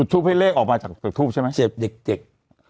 ฉุดทูบให้เลขออกมาจากใช่ไหมเจ็บเด็กเด็ก